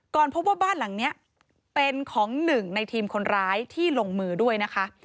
พบว่าบ้านหลังนี้เป็นของหนึ่งในทีมคนร้ายที่ลงมือด้วยนะคะ